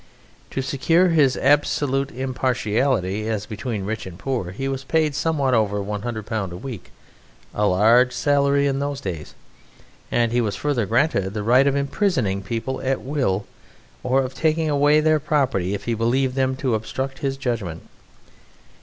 To secure his absolute impartiality as between rich and poor he was paid somewhat over £100 a week, a large salary in those days, and he was further granted the right of imprisoning people at will or of taking away their property if he believed them to obstruct his judgment.